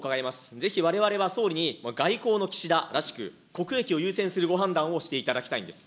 ぜひわれわれは総理に外交の岸田らしく、国益を優先するご判断をしていただきたいんです。